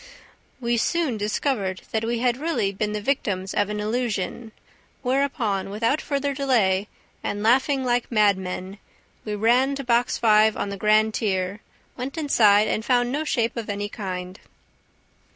We soon discovered that we had really been the victims of an illusion, whereupon, without further delay and laughing like madmen, we ran to Box Five on the grand tier, went inside and found no shape of any kind."